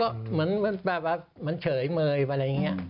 ก็เหมือนแบบว่ามันเฉยเมยอะไรอย่างนี้